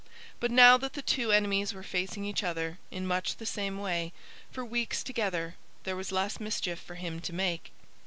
But now that the two enemies were facing each other, in much the same way, for weeks together, there was less mischief for him to make.